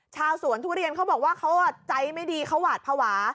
ชาวสวนทุเรียนเขาบอกว่าเขาใจไม่ดีเขาหวาดภาวะ